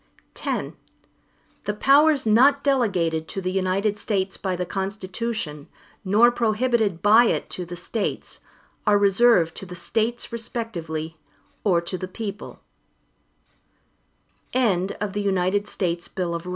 X The powers not delegated to the United States by the Constitution, nor prohibited by it to the States, are reserved to the States respectively, or to the people.